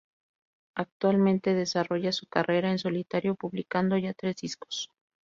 Actualmente desarrolla su carrera en solitario publicando ya tres discos.